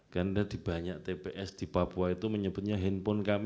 karena di banyak tps di papua itu menyebutnya handphone